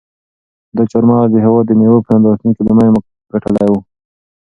دا چهارمغز د هېواد د مېوو په نندارتون کې لومړی مقام ګټلی و.